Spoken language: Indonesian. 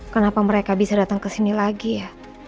kenapa mereka bisa datang ke sini lagi ya